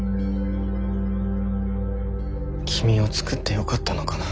君を作ってよかったのかな。